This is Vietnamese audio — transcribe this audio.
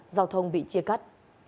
giao thông bị chia cắt